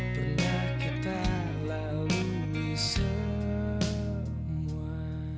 pernah kita lalui semua